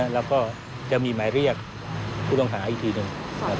แล้วก็จะมีหมายเรียกผู้ต้องหาอีกทีหนึ่ง